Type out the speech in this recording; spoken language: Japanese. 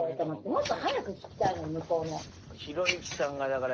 もっと早く聞きたいの向こうの。